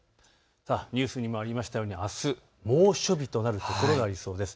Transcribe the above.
ニュースにもありましたようにあす猛暑日となる所がありそうです。